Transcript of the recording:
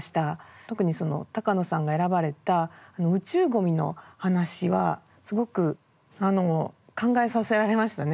特に高野さんが選ばれた宇宙ゴミの話はすごく考えさせられましたね。